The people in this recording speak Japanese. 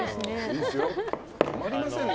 止まりませんね